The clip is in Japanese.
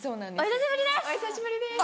お久しぶりです！